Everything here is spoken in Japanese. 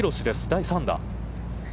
第３打。